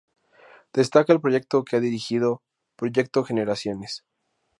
Destaca el proyecto que ha dirigido "Proyecto Generaciones.